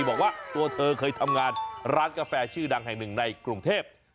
บอกว่าตัวเธอเคยทำงานร้านกาแฟชื่อดังแห่งหนึ่งในกรุงเทพ